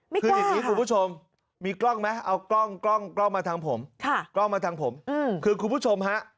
ไม่กล้าค่ะคุณผู้ชมเอากล้องลงมาทางผมคือคุณผู้ชมฮะ